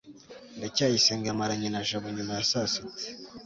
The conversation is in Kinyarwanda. ndacyayisenga yamaranye na jabo nyuma ya saa sita